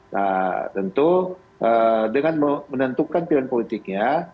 nah tentu dengan menentukan pilihan politiknya